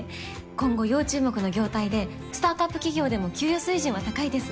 今後要注目の業態でスタートアップ企業でも給与水準は高いです。